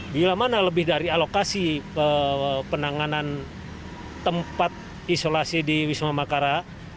bila mana lebih dari alokasi penanganan tempat isolasi di wisma makara